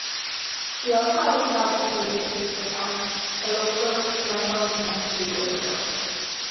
He also has a tragic relationship with Annie, a local mentally unstable girl.